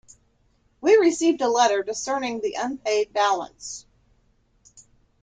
We received a letter discerning the unpaid balance.